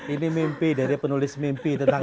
ini mimpi dari penulis mimpi tentang